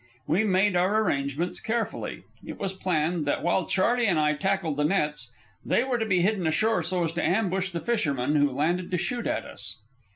We made our arrangements carefully. It was planned that while Charley and I tackled the nets, they were to be hidden ashore so as to ambush the fishermen who landed to shoot at us.